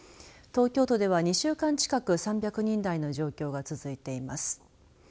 東京都では２週間近く３００人台の状況が続いています。